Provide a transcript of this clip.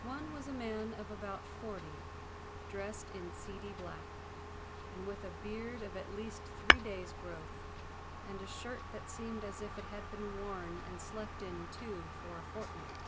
One was a man of about forty, dressed in seedy black, and with a beard of at least three days' growth, and a shirt that seemed as if it had been worn and slept in too for a fortnight.